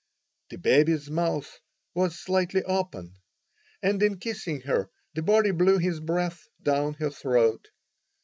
The baby's mouth was slightly open, and in kissing her the boy blew his breath down her throat.